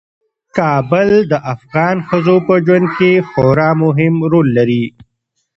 کابل د افغان ښځو په ژوند کې خورا مهم رول لري.